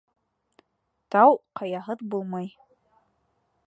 Тау ҡаяһыҙ булмай.